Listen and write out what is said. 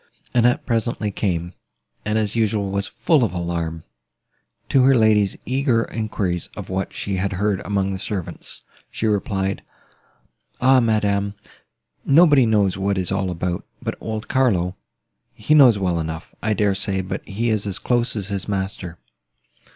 Annette presently came, and, as usual, was full of alarm; to her lady's eager enquiries of what she had heard among the servants, she replied: "Ah, madam! nobody knows what it is all about, but old Carlo; he knows well enough, I dare say, but he is as close as his master.